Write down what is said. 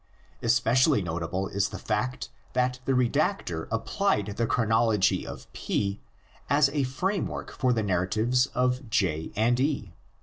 Espe cially notable is the fact that the redactor applied the chronology of P as a framework for the narratives of J and E.